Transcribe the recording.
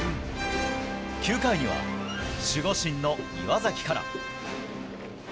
９回には守護神の岩崎から。